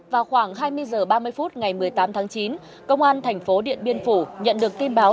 vào khoảng hai mươi h ba mươi phút ngày một mươi tám tháng chín công an thành phố điện biên phủ nhận được tin báo